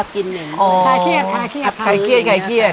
ใครเครียดใครเครียด